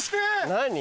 何？